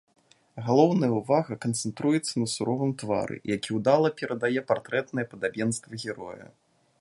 Галоўная ўвага канцэнтруецца на суровым твары, які ўдала перадае партрэтнае падабенства героя.